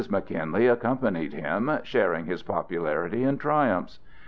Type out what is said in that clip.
McKinley accompanied him, sharing his popularity and triumphs.